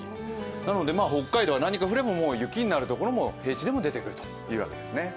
なので北海道は何か降れば雪になるところも平地でも出てくるというわけです。